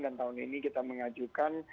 dan tahun ini kita mengajukan